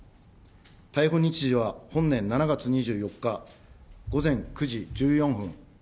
逮捕日時は本年７月２４日午前９時１４分。